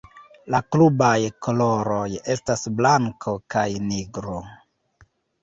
La klubaj koloroj estas blanko kaj nigro.